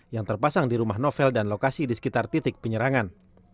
yang terpasang di rumah novel dan lokasi di sekitar titik penyerangan